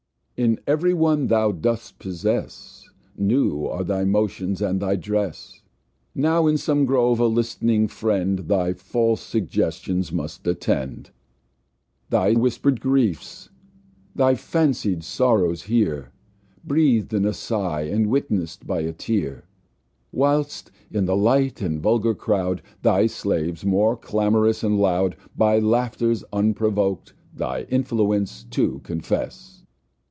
In ev'ry One thou dost possess, New are thy Motions, and thy Dress: Now in some Grove a list'ning Friend Thy false Suggestions must attend, Thy whisper'd Griefs, thy fancy'd Sorrows hear, Breath'd in a Sigh, and witness'd by a Tear; [Page 91] Whilst in the light, and vulgar Croud, Thy Slaves, more clamorous and loud, By Laughters unprovok'd, thy Influence too confess.